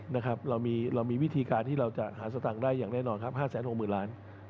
เรามีวิธีการที่เราจะหาสตังค์ได้อย่างแน่นอน๕๖๐ล้าน